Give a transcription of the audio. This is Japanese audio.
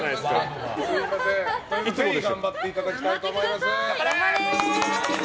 頑張っていただきたいと思います。